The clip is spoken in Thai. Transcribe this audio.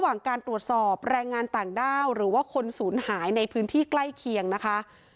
ระหว่างการตรวจสอบแรงงานต่างด้าวหรือว่าคนศูนย์หายในพื้นที่ใกล้เคียงนะคะ